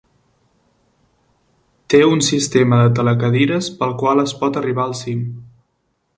Té un sistema de telecadires pel qual es pot arribar al cim.